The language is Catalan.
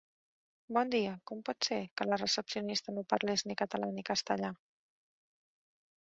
Bon dia, com pot ser que la recepcionista no parlés ni català ni castellà?